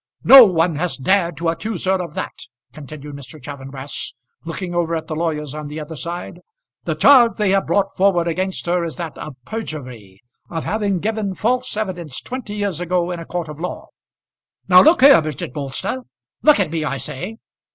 "No one has dared to accuse her of that," continued Mr. Chaffanbrass, looking over at the lawyers on the other side. "The charge they have brought forward against her is that of perjury of having given false evidence twenty years ago in a court of law. Now look here, Bridget Bolster; look at me, I say."